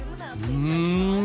うん！